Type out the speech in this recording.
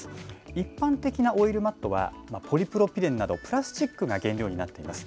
一般的なオイルマットは、ポリプロピレンなど、プラスチックが原料になっています。